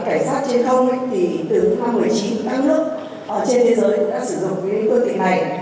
và ở đây thì tôi cũng có nghiên cứu thì thấy rằng là cảnh sát trên không thì từ năm một mươi chín các nước trên thế giới đã sử dụng những cơ tình này